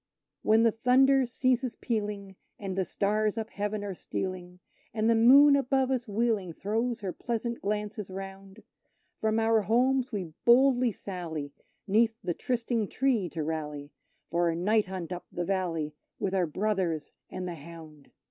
When the thunder ceases pealing, and the stars up heaven are stealing, And the Moon above us wheeling throws her pleasant glances round, From our homes we boldly sally 'neath the trysting tree to rally, For a night hunt up the valley, with our brothers and the hound!